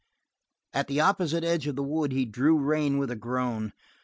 At the opposite edge of the wood he drew rein with a groan.